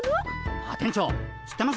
あっ店長知ってます？